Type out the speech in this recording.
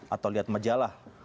atau lihat majalah